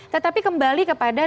tetapi kembali kepada